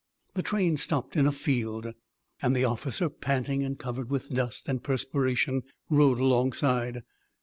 The train stopped in a field, and the officer, panting and covered with dust and perspiration, rode alongside.